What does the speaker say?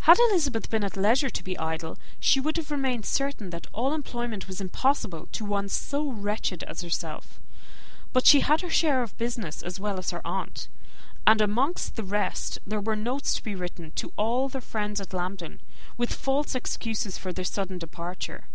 Had Elizabeth been at leisure to be idle, she would have remained certain that all employment was impossible to one so wretched as herself; but she had her share of business as well as her aunt, and amongst the rest there were notes to be written to all their friends at Lambton, with false excuses for their sudden departure.